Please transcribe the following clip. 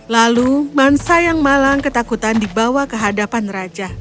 lalu mansa yang malang ketakutan dibawa ke hadapan raja